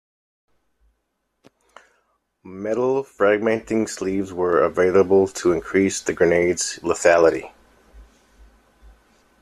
Metal fragmenting sleeves were available to increase the grenade's lethality.